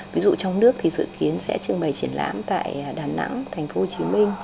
ví dụ trong nước thì dự kiến sẽ trưng bày triển lãm tại đà nẵng tp hcm